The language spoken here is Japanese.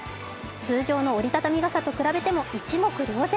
通常の折り畳み傘と比べても一目瞭然。